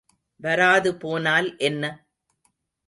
வராது போனால் என்ன?